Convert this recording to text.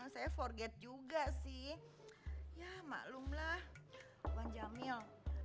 saya forget juga sih ya maklumlah wanjamil